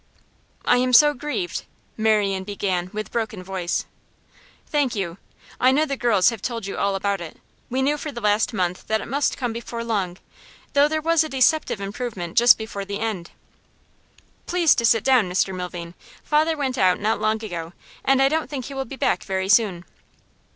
'I am so grieved ' Marian began with broken voice. 'Thank you. I know the girls have told you all about it. We knew for the last month that it must come before long, though there was a deceptive improvement just before the end.' 'Please to sit down, Mr Milvain. Father went out not long ago, and I don't think he will be back very soon.